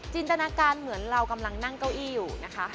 ตนาการเหมือนเรากำลังนั่งเก้าอี้อยู่นะคะ